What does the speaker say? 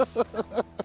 ハハハ。